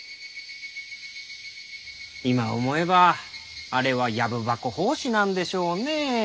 今思えばあれは「藪箱法師」なんでしょうねェー。